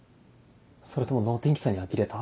それとも能天気さにあきれた？